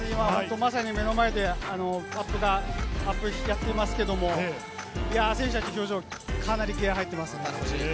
まさに目の前で、アップをやっていますけれども、選手たちの表情、かなり気合入っていますよ。